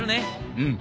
うん。